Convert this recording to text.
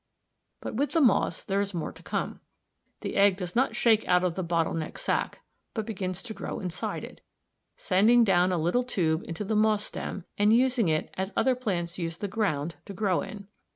But with the moss there is more to come. The egg does not shake out of the bottle necked sac, but begins to grow inside it, sending down a little tube into the moss stem, and using it as other plants use the ground to grow in.